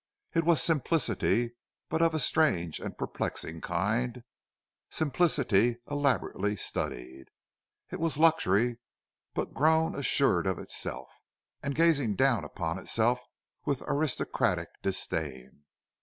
It was simplicity, but of a strange and perplexing kind—simplicity elaborately studied. It was luxury, but grown assured of itself, and gazing down upon itself with aristocratic disdain.